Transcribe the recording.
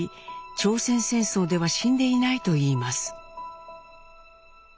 朝鮮戦争では死んでいないといいます。